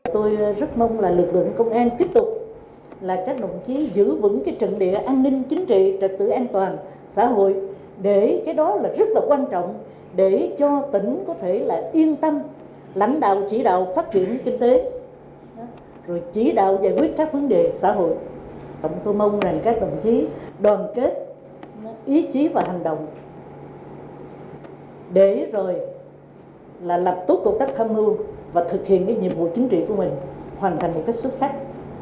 để rồi là lập tốt công tác tham mưu và thực hiện cái nhiệm vụ chính trị của mình hoàn thành một cách xuất sắc